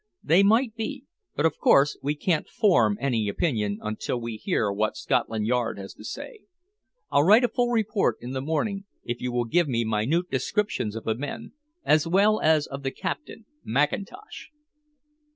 "They might be. But, of course, we can't form any opinion until we hear what Scotland Yard has to say. I'll write a full report in the morning if you will give me minute descriptions of the men, as well as of the captain, Mackintosh."